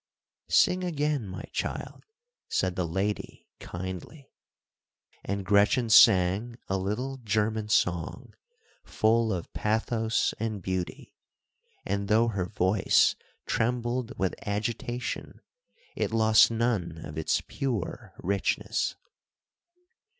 "Sing again, my child," said the lady, kindly. And Gretchen sang a little German song, full of pathos and beauty; and though her voice trembled with agitation, it lost none of its pure richness.